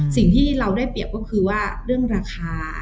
สิ่งที่เราได้เปรียบก็คือว่าเรื่องราคา